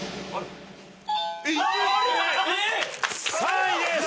３位です！